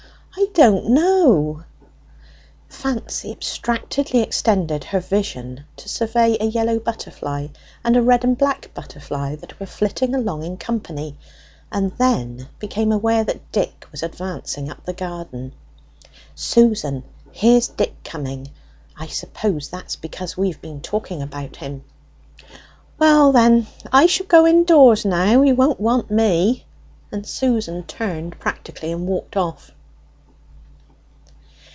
"I don't know." Fancy abstractedly extended her vision to survey a yellow butterfly and a red and black butterfly that were flitting along in company, and then became aware that Dick was advancing up the garden. "Susan, here's Dick coming; I suppose that's because we've been talking about him." "Well, then, I shall go indoors now you won't want me;" and Susan turned practically and walked off.